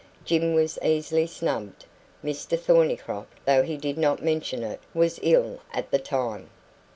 Jim was easily snubbed; Mr Thornycroft though he did not mention it was ill at the time.